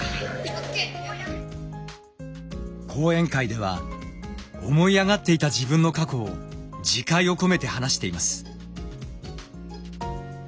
講演会では思い上がっていた自分の過去を自戒を込めて話しています。